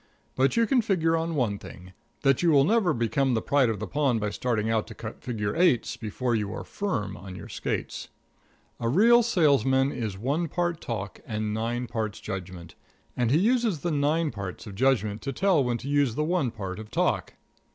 But you can figure on one thing that you will never become the pride of the pond by starting out to cut figure eights before you are firm on your skates. A real salesman is one part talk and nine parts judgment; and he uses the nine parts of judgment to tell when to use the one part of talk.